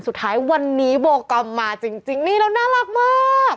สุดท้ายวันนี้โบกอมมาจริงนี่แล้วน่ารักมาก